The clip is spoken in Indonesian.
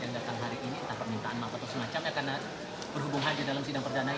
yang datang hari ini tentang permintaan maaf atau semacam ya karena berhubung saja dalam sidang perdana ini